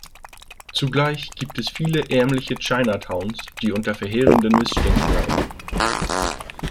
Zugleich gibt es viele ärmliche Chinatowns, die unter verheerenden Missständen leiden.